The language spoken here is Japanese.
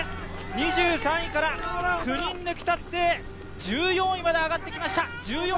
２３位から９人抜き達成、１４位まで上ってきました。